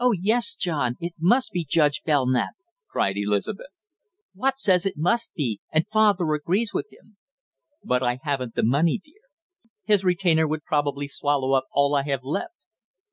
"Oh, yes, John, it must be Judge Belknap!" cried Elizabeth. "Watt says it must be, and father agrees with him!" "But I haven't the money, dear. His retainer would probably swallow up all I have left."